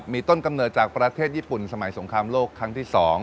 มีต้นกำเนิดจากประเทศญี่ปุ่นสมัยสงครามโลกครั้งที่๒